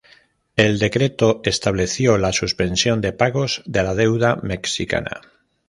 El decreto estableció la suspensión de pagos de la deuda mexicana.